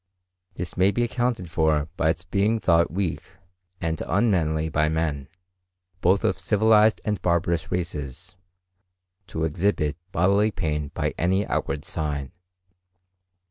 This may be accounted for by its being thought weak and unmanly by men, both of civilized and barbarous races, to exhibit bodily pain by any outward sign.